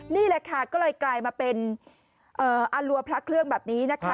นี่แหละค่ะก็เลยกลายมาเป็นอรัวพระเครื่องแบบนี้นะคะ